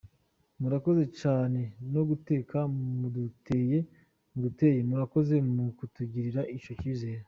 "Murakoze caane ku gateka muduteye, Murakoze mu kutugirira ico cizere.